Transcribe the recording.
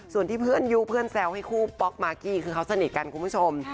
ส่วนที่เพื่อนยุเพื่อนแซวให้คู่ป๊อกมากกี้คือเขาสนิทกันคุณผู้ชม